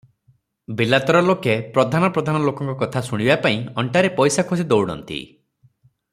ବିଲାତର ଲୋକେ ପ୍ରଧାନ ପ୍ରଧାନ ଲୋକଙ୍କ କଥା ଶୁଣିବାପାଇଁ ଅଣ୍ଟାରେ ପଇସା ଖୋସି ଦଉଡ଼ନ୍ତି ।